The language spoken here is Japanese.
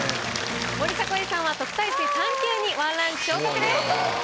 森迫永依さんは特待生３級に１ランク昇格です。